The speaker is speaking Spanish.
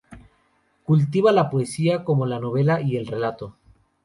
Cultiva la poesía, como la novela y el relato.